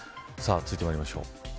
続いてまいりましょう。